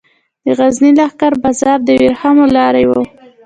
د غزني لښکر بازار د ورېښمو لارې و